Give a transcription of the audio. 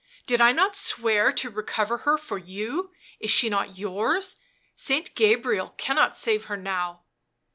did I not swear to recover her for you? is she not yours? Saint Gabriel cannot save her now